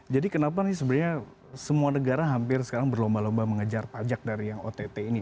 jadi kenapa nih sebenarnya semua negara hampir sekarang berlomba lomba mengejar pajak dari yang ott ini